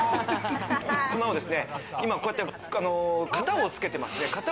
今、こうやって型をつけていますね。